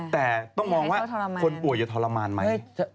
แต่ต้องมองว่าคนป่วยจะทรมานไหม